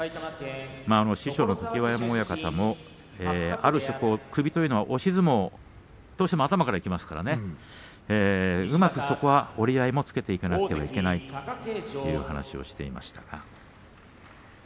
師匠の常盤山親方もある種首というのは押し相撲はどうしても頭からいきますからうまくそこは折り合いをつけていかなければいけないという話をしていました。